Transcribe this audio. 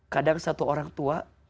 kadang satu orang tua